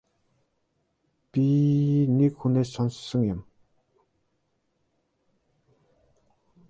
Би нэг хүнээс сонссон юм.